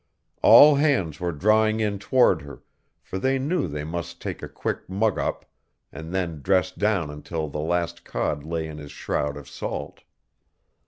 All hands were drawing in toward her, for they knew they must take a quick mug up and then dress down until the last cod lay in his shroud of salt.